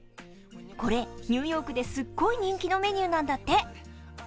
これニューヨークですごい人気のメニューなんだって。